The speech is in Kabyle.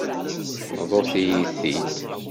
Bḍut-iyi-t-id.